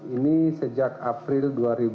ini sejak april dua ribu delapan belas